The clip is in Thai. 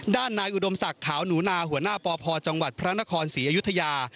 ด้านนายอุดมศักดิ์ขาวหนูนาหัวหน้าปพจังหวัดพระนครศรีอยุธยา